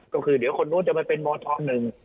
ก็คือเดี๋ยวคนนู้นจะมาเป็นมธหนึ่ง